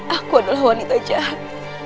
aku adalah wanita jahat